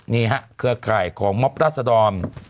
นี่ครับเครื่องการขายของมพรสดร